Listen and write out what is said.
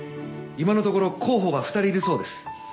今のところ候補が２人いるそうです。